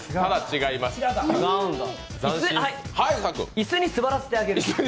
椅子に座らせてあげる。